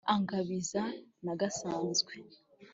angabiza nagasanzwe